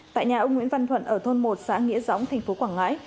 tại nhà ông nguyễn văn thuận ở thôn một xã nghĩa dõng thành phố quảng ngãi